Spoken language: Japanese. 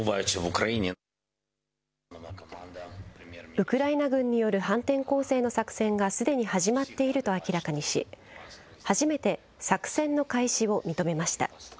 ウクライナ軍による反転攻勢の作戦がすでに始まっていると明らかにし、初めて作戦の開始を認めました。